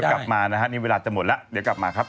โอเคเดี๋ยวกลับมานะครับนี่เวลาจะหมดแล้วเดี๋ยวกลับมาครับ